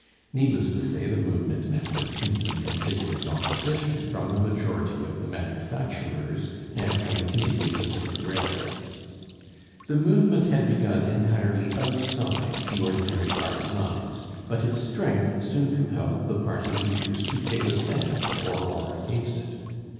Needless to say, the movement met with instant and vigorous opposition from the majority of the manufacturers and from the Canadian Pacific Railway. The movement had begun entirely outside the ordinary party lines, but its strength soon compelled the party leaders to take a stand for or against it.